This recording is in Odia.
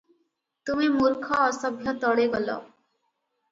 ତୁମେ ମୁର୍ଖ ଅସଭ୍ୟ ତଳେ ଗଲ ।